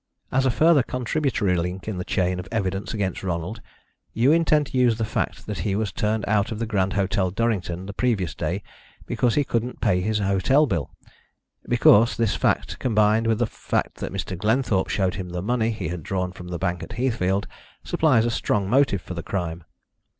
"As a further contributory link in the chain of evidence against Ronald, you intend to use the fact that he was turned out of the Grand Hotel, Durrington, the previous day because he couldn't pay his hotel bill, because this fact, combined with the fact that Mr. Glenthorpe showed him the money he had drawn from the bank at Heathfield, supplies a strong motive for the crime.